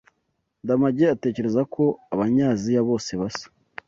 Ndamage atekereza ko Abanyaziya bose basa.